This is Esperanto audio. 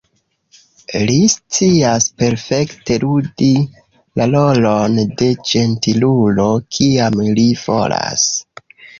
Li scias perfekte ludi la rolon de ĝentilulo, kiam li volas.